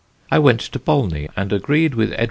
I went to Bolney and agreed with Edw.